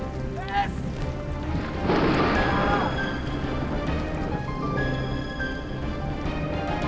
kenapa saya jadi kejam begini